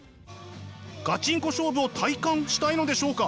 ガチンコ勝負を体感したいのでしょうか？